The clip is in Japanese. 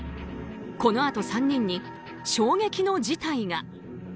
このあと３人に衝撃の事態が。